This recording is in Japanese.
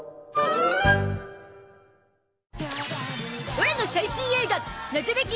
オラの最新映画『謎メキ！